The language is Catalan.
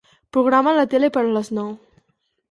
Programa la tele per a les nou.